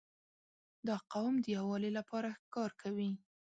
• دا قوم د یووالي لپاره کار کوي.